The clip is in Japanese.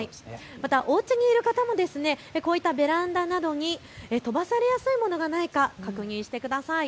またおうちにいる方もこういったベランダなどに飛ばされやすいものがないか確認してください。